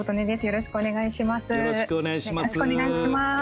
よろしくお願いします。